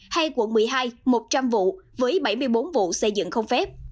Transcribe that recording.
hay quận một mươi hai một trăm linh vụ với bảy mươi bốn vụ xây dựng không phép